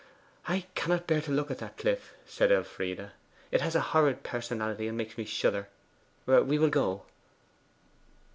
'I cannot bear to look at that cliff,' said Elfride. 'It has a horrid personality, and makes me shudder. We will go.